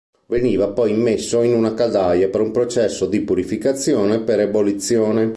Veniva poi immesso in un caldaia per un processo di purificazione per ebollizione.